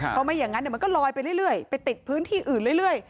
เพราะไม่อย่างนั้นมันก็ลอยไปเรื่อยไปติดพื้นที่อื่นเรื่อย